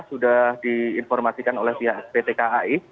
sudah diinformasikan oleh pihak pt kai